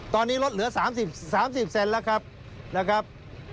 ตอนนี้รถเหลือ๓๐เซนติเมตรแล้วนะครับ